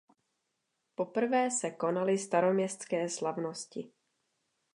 Poprvé se konaly Staroměstské slavnosti.